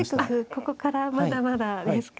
ここからまだまだですか。